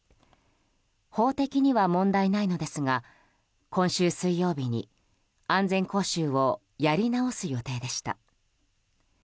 法的には問題ないのですが今週水曜日に安全講習をやり直す予定でした。